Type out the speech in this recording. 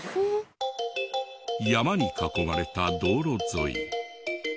山に囲まれた道路沿い。